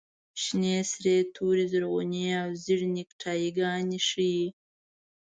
شنې، سرې، تورې، زرغونې او زېړې نیکټایي ګانې ښیي.